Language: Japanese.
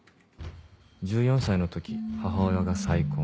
「１４歳の時母親が再婚。